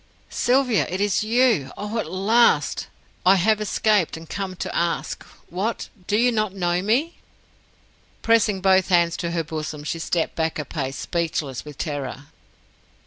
"Sylvia! It is you! Oh, at last! I have escaped, and come to ask What? Do you not know me?" Pressing both hands to her bosom, she stepped back a pace, speechless with terror.